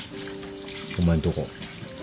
お前んとこ。